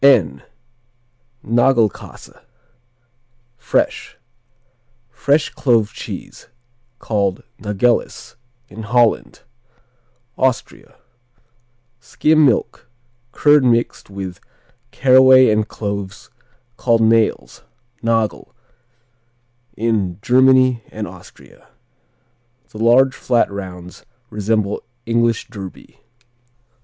N Nagelkassa (Fresh), Fresh Clove Cheese, called Nageles in Holland Austria Skim milk; curd mixed with caraway and cloves called nails, nagel, in Germany and Austria. The large flat rounds resemble English Derby.